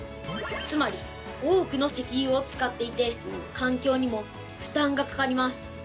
つまり多くの石油を使っていて環境にも負担がかかります。